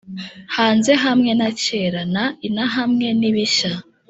hanze hamwe na kera na in hamwe nibishya.